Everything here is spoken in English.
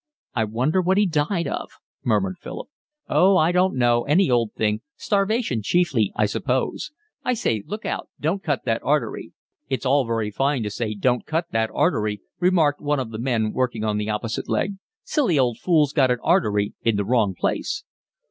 "I wonder what he died of," murmured Philip. "Oh, I don't know, any old thing, starvation chiefly, I suppose…. I say, look out, don't cut that artery." "It's all very fine to say, don't cut that artery," remarked one of the men working on the opposite leg. "Silly old fool's got an artery in the wrong place."